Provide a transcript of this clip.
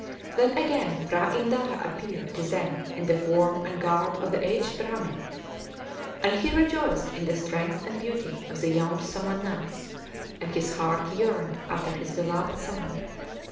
Then again P'hra Indara appeared to them in the form and garb of the aged Bhramin; and he rejoiced in the strength and beauty of the young Somannass, and his heart yearned after his beloved son.